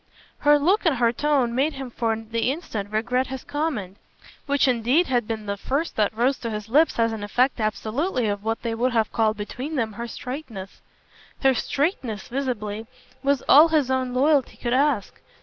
Her look and her tone made him for the instant regret his comment, which indeed had been the first that rose to his lips as an effect absolutely of what they would have called between them her straightness. Her straightness, visibly, was all his own loyalty could ask.